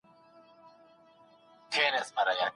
ایا ګڼ خلګ به اوږد ډنډ ړنګ کړي؟